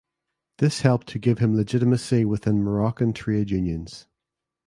This helped to give him legitimacy within Moroccan trade unions.